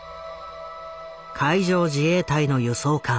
海上自衛隊の輸送艦。